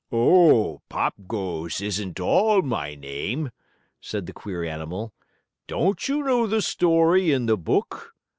"Oh, Pop Goes isn't all my name," said the queer animal. "Don't you know the story in the book?